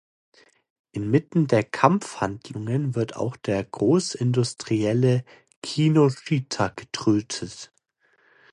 Inmitten der Kampfhandlungen wird auch der Großindustrielle Kinoshita getötet.